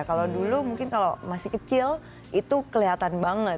kalau dulu mungkin kalau masih kecil itu kelihatan banget